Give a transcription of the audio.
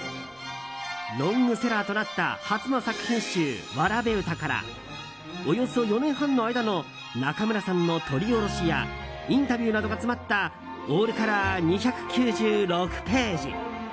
ロングセラーとなった初の作品集「童詩」からおよそ４年半の間の中村さんの撮りおろしやインタビューなどが詰まったオールカラー２９６ページ。